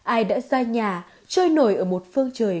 ai đã ra nhà trôi nổi ở một phương trời